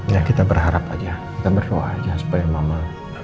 ya kita berharap aja kita berdoa aja supaya mama